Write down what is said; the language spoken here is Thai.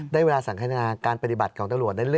ได้เวลาสังฆนาการปฏิบัติของตำรวจนั้น